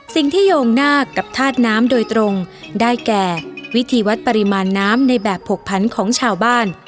โยงหน้ากับธาตุน้ำโดยตรงได้แก่วิธีวัดปริมาณน้ำในแบบผกพันของชาวบ้าน